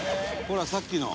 「ほらさっきの」